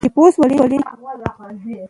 دا پروژه اوس کار کوي.